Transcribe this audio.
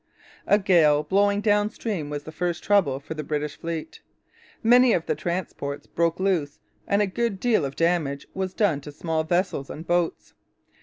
A gale blowing down stream was the first trouble for the British fleet. Many of the transports broke loose and a good deal of damage was done to small vessels and boats.